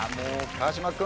川島君。